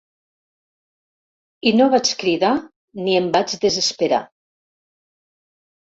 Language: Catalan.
I no vaig cridar ni em vaig desesperar.